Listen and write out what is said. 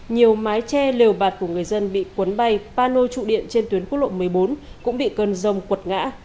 nhiều mái tre liều bạt của người dân bị cuốn bay pano trụ điện trên tuyến quốc lộ một mươi bốn cũng bị cơn rông quật ngã